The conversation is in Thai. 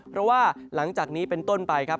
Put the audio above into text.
เพราะว่าหลังจากนี้เป็นต้นไปครับ